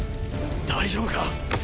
大丈夫か？